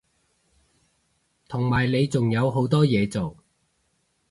同埋你仲有好多嘢做